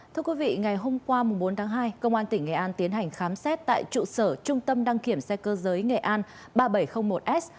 thưa quý vị ngày hôm qua bốn tháng hai công an tỉnh nghệ an tiến hành khám xét tại trụ sở trung tâm đăng kiểm xe cơ giới nghệ an ba nghìn bảy trăm linh một s